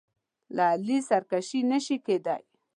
له علي سرکشي نه شي کېدای.